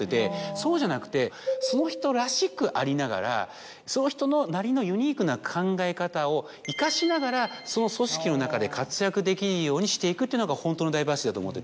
そうじゃなくてその人らしくありながらその人なりのユニークな考え方を生かしながらその組織の中で活躍できるようにしていくというのが本当のダイバーシティーだと思ってて。